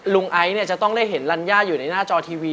ลุงไอซ์จะต้องได้เห็นรัญญาอยู่ในหน้าจอทีวี